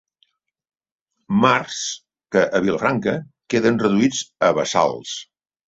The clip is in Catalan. Mars que a Vilafranca queden reduïts a bassals.